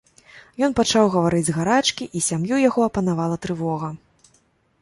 Ён пачаў гаварыць з гарачкі, і сям'ю яго апанавала трывога.